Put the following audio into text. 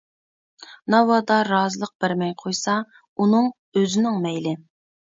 ناۋادا رازىلىق بەرمەي قويسا، ئۇنىڭ ئۆزىنىڭ مەيلى.